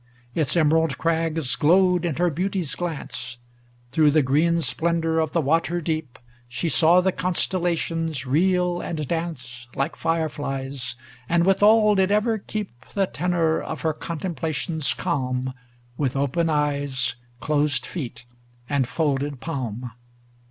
Its emerald crags glowed in her beauty's glance; Through the green splendor of the water deep She saw the constellations reel and dance Like fire flies, and withal did ever keep The tenor of her contemplations calm. With open eyes, closed feet, and folded palm.